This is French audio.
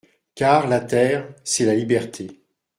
Car la terre, c'est la liberté.